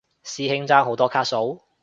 師兄爭好多卡數？